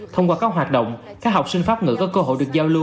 thông qua các hoạt động các học sinh pháp ngữ có cơ hội được giao lưu